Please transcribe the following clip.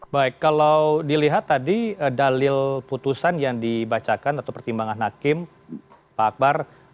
baik kalau dilihat tadi dalil putusan yang dibacakan atau pertimbangan hakim pak akbar